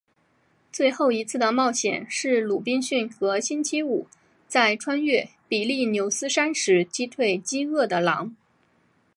最后一次的冒险是鲁滨逊和星期五在穿越比利牛斯山时击退饥饿的狼。